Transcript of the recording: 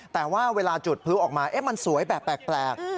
แต่ว่าเวลาจุดพลุออกมามันสวยแบบแปลก